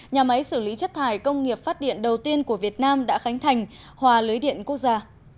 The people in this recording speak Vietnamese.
nhà máy xử lý chất thải công nghiệp phát điện đầu tiên của việt nam đã khánh thành hòa lưới điện quốc gia